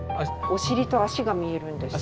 お尻と足が見えるんです。